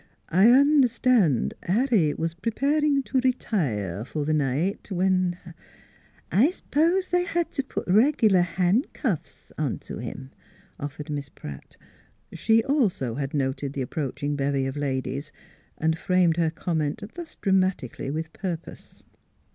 I understan' Har ry was pre parin' to re tire for the night, when "" I s'pose they had to put reg'lar han'cuffs ont' him," offered Miss Pratt. She also had noted the approaching bevy of ladies, and framed her comment thus dramatically with purpose.